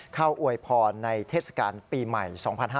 เข้าอวยพรในเทศกาลปีใหม่๒๕๖๒